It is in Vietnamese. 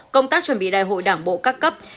công tác chuẩn bị đại hội đảng bộ các cấp